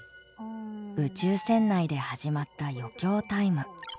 宇宙船内で始まった余興タイム。